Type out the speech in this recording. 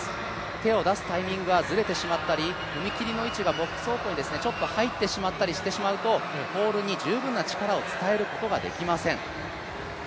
手を出すタイミングがずれてしまったり、ボックス方向にちょっと入ってしまったりしてしまうとポールに十分に伝えることができません。